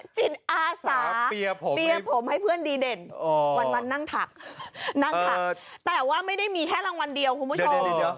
จิตอาสาเปียร์ผมให้เพื่อนดีเด่นวันนั่งถักนั่งถักแต่ว่าไม่ได้มีแค่รางวัลเดียวคุณผู้ชม